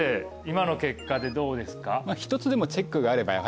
今の結果でどうですか？